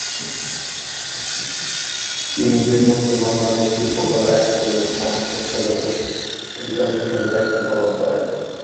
তিনি দুই বছর বাংলাদেশ শিল্পকলা একাডেমির মহাপরিচালক হিসেবে দায়িত্ব পালন করেন।